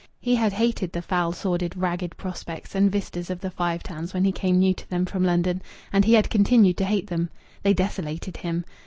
He had hated the foul, sordid, ragged prospects and vistas of the Five Towns when he came new to them from London, and he had continued to hate them. They desolated him.